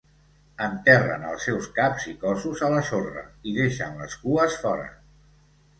Enterren els seus caps i cossos a la sorra i deixen les cues fora.